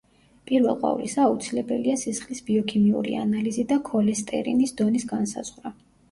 პირველ ყოვლისა, აუცილებელია სისხლის ბიოქიმიური ანალიზი და ქოლესტერინის დონის განსაზღვრა.